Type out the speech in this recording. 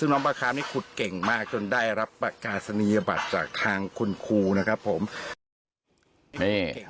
นี่อุปกรณ์พร้อม